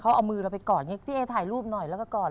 เขาเอามือเราไปกอดพี่เอ๋ถ่ายรูปหน่อยแล้วก็กอด